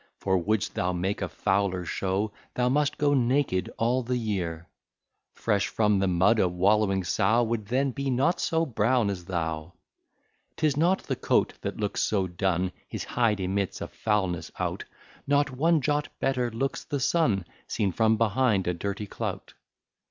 For wouldst thou make a fouler show, Thou must go naked all the year. Fresh from the mud, a wallowing sow Would then be not so brown as thou. 'Tis not the coat that looks so dun, His hide emits a foulness out; Not one jot better looks the sun Seen from behind a dirty clout.